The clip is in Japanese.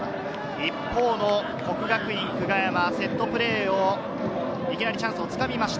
一方の國學院久我山、セットプレーを、いきなりチャンスをつかみました。